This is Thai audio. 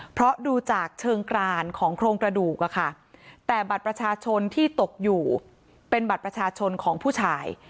เพราะดูจากเชิงกรานของโครงกระดูกแต่บัตรประชาชนที่ตกอยู่เป็นบัตรประชาชนของผู้ชาย